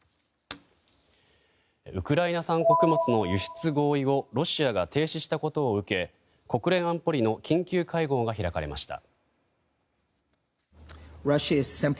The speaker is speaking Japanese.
ウクライナ産穀物の輸出合意をロシアが停止したことを受け国連安保理の緊急会合が開かれました。